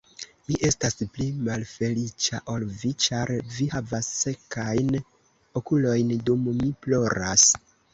Mi estas pli malfeliĉa ol vi, ĉar vi havas sekajn okulojn, dum mi ploras.